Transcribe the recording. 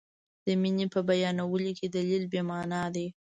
د مینې په بیانولو کې دلیل بې معنا دی.